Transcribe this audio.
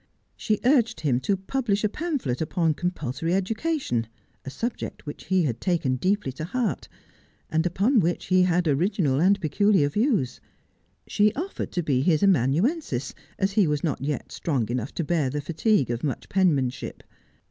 She urged him to publish a pamphlet upon compulsory education, a subject which he had taken deeply to heart, and upon which he had original and peculiar views. She offered to be his amanu ensis, as he was not yet strong enough to bear the fatigue of much penmanship.